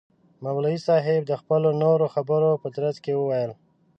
مولوی صاحب د خپلو نورو خبرو په ترڅ کي وویل.